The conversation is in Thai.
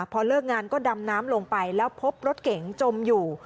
พอเลิกงานก็ดำน้ำลงไปแล้วพบรถเก๋งจมอยู่